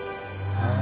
ああ。